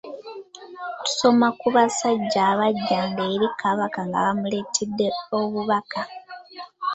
Tusoma ku basajja abajjanga eri Kabaka nga bamuleetedde obubaka.